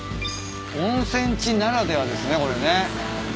温泉地ならではですねこれね。